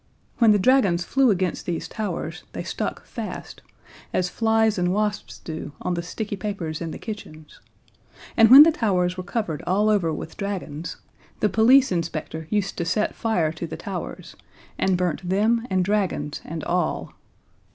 When the dragons flew against these towers, they stuck fast, as flies and wasps do on the sticky papers in the kitchen; and when the towers were covered all over with dragons, the police inspector used to set fire to the towers, and burnt them and dragons and all.